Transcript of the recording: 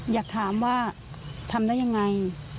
อยากถามว่าทำได้ยังไง